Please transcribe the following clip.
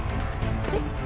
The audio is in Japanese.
えっ？